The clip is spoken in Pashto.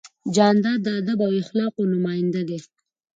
جانداد د ادب او اخلاقو نماینده دی.